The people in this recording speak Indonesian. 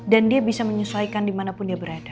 dan dia bisa menyesuaikan dimanapun dia berada